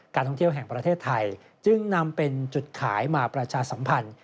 ท่องเที่ยวแห่งประเทศไทยจึงนำเป็นจุดขายมาประชาสัมพันธ์